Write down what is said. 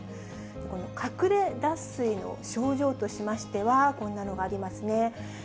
この隠れ脱水の症状としましては、こんなのがありますね。